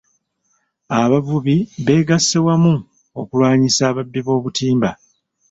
Abavubi beegasse wamu okulwanyisa ababbi b'obutimba.